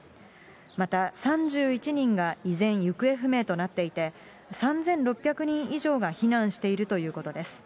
また、３１人が依然行方不明となっていて、３６００人以上が避難しているということです。